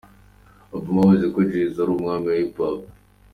Obama avuga ko Jay Z ari umwami muri Hiphop.